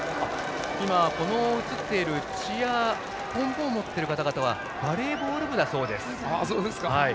映っていたポンポンを持っている方々はバレーボール部だそうです。